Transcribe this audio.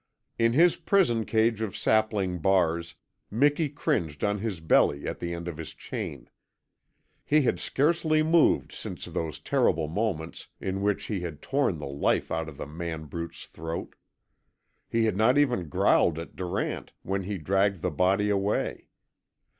In his prison cage of sapling bars Miki cringed on his belly at the end of his chain. He had scarcely moved since those terrible moments in which he had torn the life out of the man brute's throat. He had not even growled at Durant when he dragged the body away.